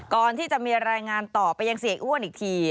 ก่อนที่จะมีรายงานต่อไปยังเสียอ้วนอีกที